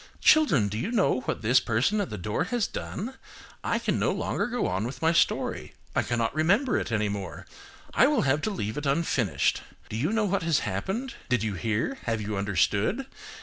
Children, do you know what this person at the door has done? I can no longer go on with my story, I cannot remember it any more. I will have to leave it unfinished. Do you know what has happened? Did you hear? Have you understood?